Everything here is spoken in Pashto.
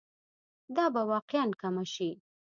دا به واقعاً کمه شي.